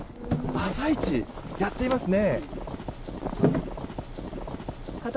朝市やっていますね。